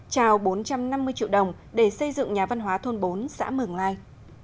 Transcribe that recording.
trao bốn trăm năm mươi triệu đồng để xây dựng nhà văn hóa thôn bốn xã mường lai